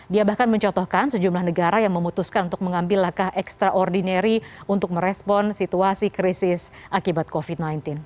dia bahkan mencotohkan sejumlah negara yang memutuskan untuk mengambil langkah ekstraordinari untuk merespon situasi krisis akibat covid sembilan belas